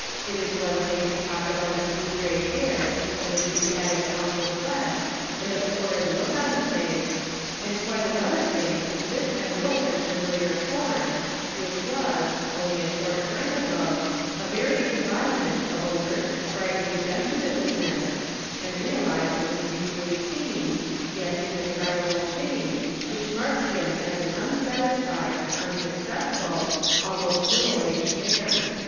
It is one thing to talk about a few gray hairs, and a few added pounds of flesh, and a florid look on the face ; and quite another thing to sit and look at a familiar form, which was, only a short time ago, a very embodiment of alert, sprightly gentleman liness, and realize the distinctly seen, yet in describable change, which marks him as an 416 The Pocket Measure. unsatisfied, unsuccessful, almost middle aged man.